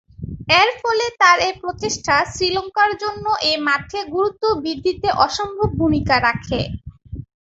এরফলে তার এ প্রচেষ্টা শ্রীলঙ্কার জন্য এ মাঠে গুরুত্ব বৃদ্ধিতে অসম্ভব ভূমিকা রাখে।